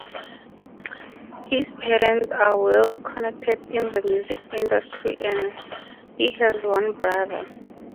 His parents are well connected in the music industry and he has one brother.